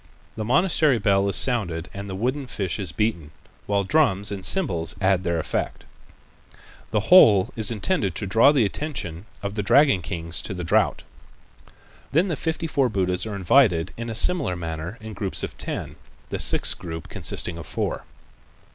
The monastery bell is sounded and the wooden fish is beaten, while drums and cymbals add their effect. The whole is intended to draw the attention of the dragon kings to the drought. Then the fifty four Buddhas are invited in a similar manner in groups of ten, the sixth group consisting of four.